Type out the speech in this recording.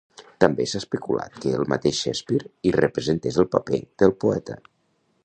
També s'ha especulat que el mateix Shakespeare hi representés el paper del poeta.